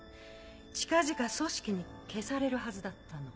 近々組織に消されるはずだったの。